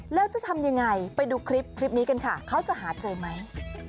แล้วจะทำยังไงไปดูคลิปนี้กันค่ะเขาจะหาเจอไหม